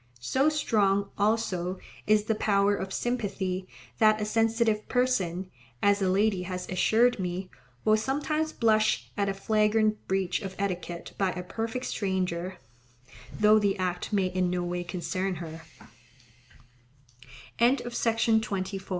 So strong, also, is the power of sympathy that a sensitive person, as a lady has assured me, will sometimes blush at a flagrant breach of etiquette by a perfect stranger, though the act may in no way concern her. Modesty.